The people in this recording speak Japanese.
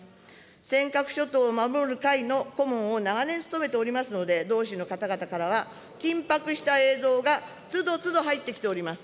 尖閣諸島を守る会の顧問を長年務めておりますので、同志の方々からは、緊迫した映像がつどつど入ってきております。